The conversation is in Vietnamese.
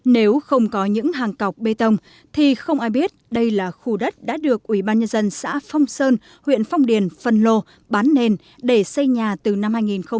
nếu không có những hàng cọc bê tông thì không ai biết đây là khu đất đã được ủy ban nhân dân xã phong sơn huyện phong điền phân lô bán nền để xây nhà từ năm hai nghìn một mươi